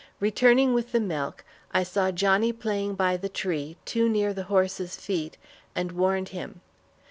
Returning with the milk, I saw Johnnie playing by the tree, too near the horse's feet, and warned him.